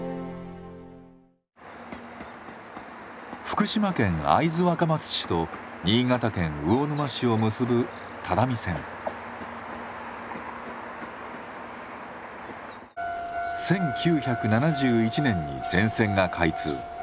福島県会津若松市と新潟県魚沼市を結ぶ１９７１年に全線が開通。